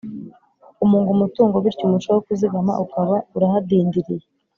kumunga umutungo bityo umuco wo kuzigama ukaba urahadindiriye.